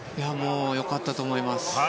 良かったと思います。